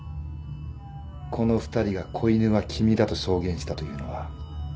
この２人が子犬は君だと証言したというのは嘘だ。